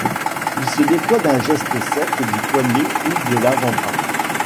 Il se déploie d’un geste sec du poignet ou de l’avant-bras.